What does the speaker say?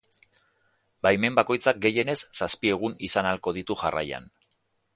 Baimen bakoitzak gehienez zazpi egun izan ahalko ditu jarraian.